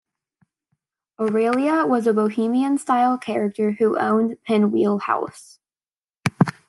Aurelia was a bohemian-style character who owned Pinwheel House.